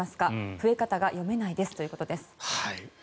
増え方が読めないですということです。